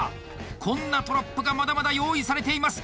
こんなトラップがまだまだ用意されています。